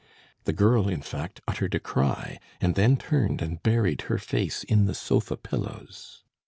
The girl, in fact, uttered a cry, and then turned and buried her face in the sofa pillows.